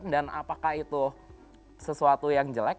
dan apakah itu sesuatu yang jelek